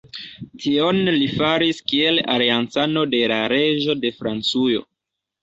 Tion li faris kiel aliancano de la reĝo de Francujo.